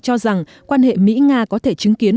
cho rằng quan hệ mỹ nga có thể chứng kiến